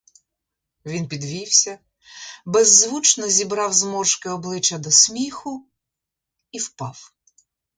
Він підвівся, беззвучно зібрав зморшки обличчя до сміху — і впав.